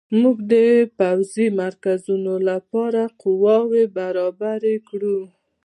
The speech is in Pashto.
موږ د پوځي مرکزونو لپاره قواوې برابرې کړو.